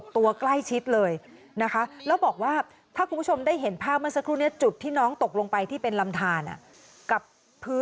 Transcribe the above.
ญาตรบอกว่าก่อนพบน้องอาเว่